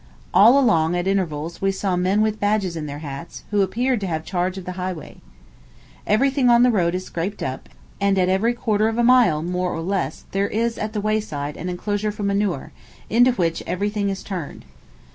All along, at intervals, we saw men with badges on their hats, who appeared to have charge of the highway. Every thing on the road is scraped up; and at every quarter of a mile, or less, there is at the wayside an enclosure for manure, into which every thing is turned.